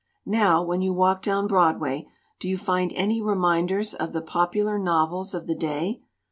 "Now, when you walk down Broadway, do you find any reminders of the popular novels of the day?